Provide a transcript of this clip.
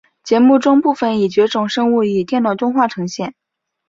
节目中部分已绝种生物以电脑动画呈现。